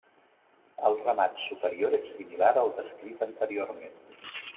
El remat superior és similar al descrit anteriorment.